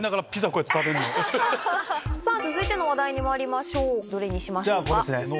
続いての話題にまいりましょうどれにしましょうか。